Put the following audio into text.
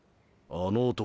あの男